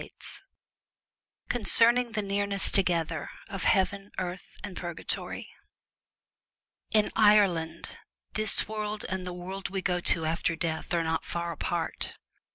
164 CONCERNING THE NEARNESS Concerning TOGETHER OF HEAVEN, EARTH, AND PURGATORY In Ireland this world and the world we go to after death are not far apart.